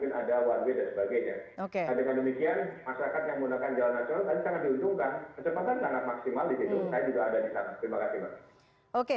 terima kasih pak